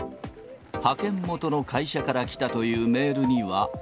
派遣元の会社から来たというメールには。